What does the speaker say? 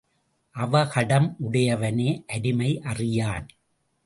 அவகடம் உடையவனே அருமை அறியான்.